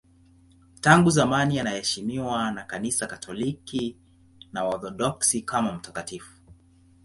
Tangu zamani anaheshimiwa na Kanisa Katoliki na Waorthodoksi kama mtakatifu.